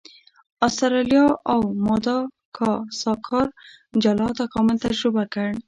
استرالیا او ماداګاسکار جلا تکامل تجربه کړ.